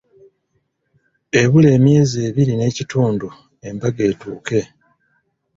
Ebula emyezi ebiri n'ekitundu embaga etuuke.